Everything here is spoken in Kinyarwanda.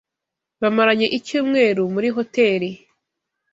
Bamaranye icyumweru muri hoteri.